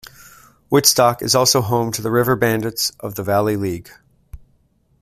Woodstock is also home to the River Bandits of the Valley League.